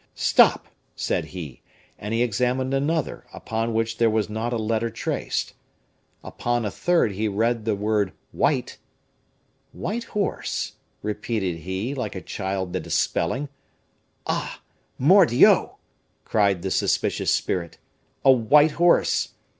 "Stop!" said he; and he examined another, upon which there was not a letter traced. Upon a third he read the word "white;" "white horse," repeated he, like a child that is spelling. "Ah, mordioux!" cried the suspicious spirit, "a white horse!"